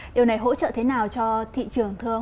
điều này hỗ trợ thế nào cho